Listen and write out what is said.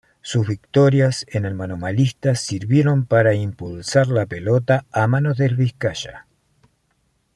Sus victorias en el manomanista sirvieron para impulsar la pelota a mano en Vizcaya.